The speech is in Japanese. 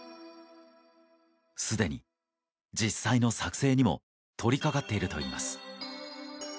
すでに実際の作成にも取りかかっているといいます。